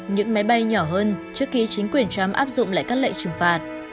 những máy bay nhỏ hơn trước khi chính quyền trump áp dụng lại các lệnh trừng phạt